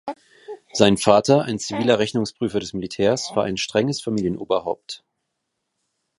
Sein Vater, ein ziviler Rechnungsprüfer des Militärs, war ein strenges Familienoberhaupt.